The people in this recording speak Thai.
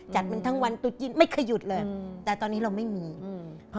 จัดมันทั้งวันตุ๊จีนไม่เคยหยุดเลยอืมแต่ตอนนี้เราไม่มีอืม